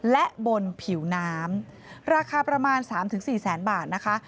และบนผิวน้ำราคาประมาณ๓๔แสนบาทนะคะ